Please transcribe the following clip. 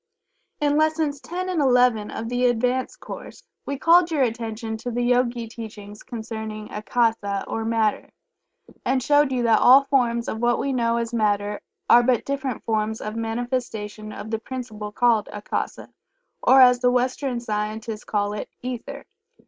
In Lessons X and XI, of the "Advanced Course" we called your attention to the Yogi teachings concerning Akasa or Matter, and showed you that all forms of what we know as Matter are but different forms of manifestation of the principle called Akasa, or as the Western scientists call it, "Ether."